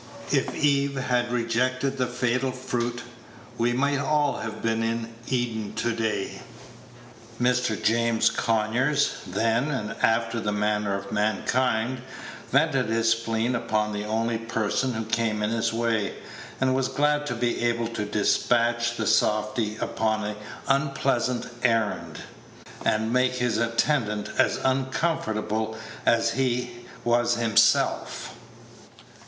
If Eve had rejected the fatal fruit, we might all have been in Eden to day. Mr. James Conyers, then, after the manner of mankind, vented his spleen upon the only person who came in his way, and was glad to be able to despatch the softy upon an unpleasant errand, and make his attendant as uncomfortable as he was himself.